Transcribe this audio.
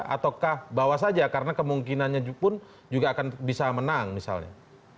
ataukah bawa saja karena kemungkinannya pun juga akan bisa menang misalnya